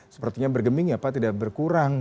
sepertinya bergeming ya pak tidak berkurang